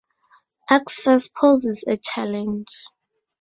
Access poses a challenge.